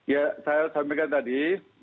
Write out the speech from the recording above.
ya saya sampaikan tadi